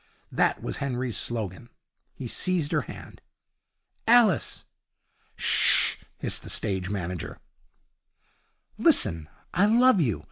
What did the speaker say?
That was Henry's slogan. He seized her hand. 'Alice!' 'Sh h!' hissed the stage manager. 'Listen! I love you.